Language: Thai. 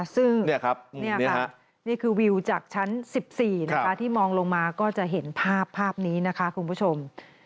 ซึ่งนี่ค่ะนี่คือวิวจากชั้น๑๔นะคะที่มองลงมาก็จะเห็นภาพภาพนี้นะคะคุณผู้ชม